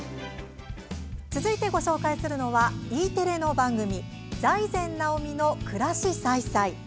続いてご紹介するのはＥテレの番組「財前直見の暮らし彩彩」。